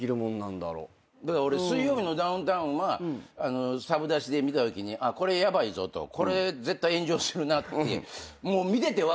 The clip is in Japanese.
だから俺『水曜日のダウンタウン』はサブ出しで見たときにこれヤバいぞとこれ絶対炎上するなって見てて分かる。